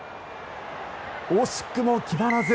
惜しくも決まらず。